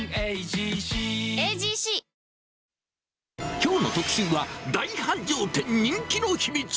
きょうの特集は、大繁盛店、人気のヒミツ。